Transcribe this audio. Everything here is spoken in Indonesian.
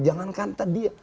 jangan kata dia